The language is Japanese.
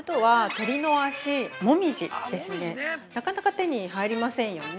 なかなか手に入りませんよね。